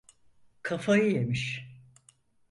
Kafayı yemiş.